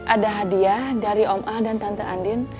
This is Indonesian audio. ada hadiah dari om al dan tante andin